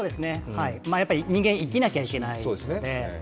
やっぱり人間、生きなきゃいけないので。